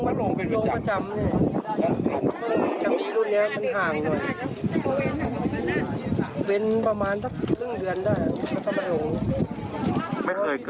ไม่เคยไม่เคย